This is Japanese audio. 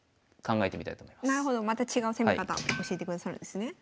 なるほどまた違う攻め方教えてくださるんですね。